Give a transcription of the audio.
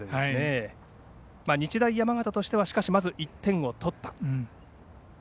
日大山形としてはまず１点を取った。